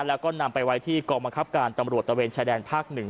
แล้วก็นำไปไว้ที่กองบังคับการตำรวจตะเวนชายแดนภาค๑